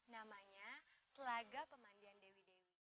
namanya telaga pemandian dewi dewi